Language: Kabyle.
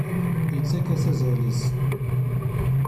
Yettak-as azal-is.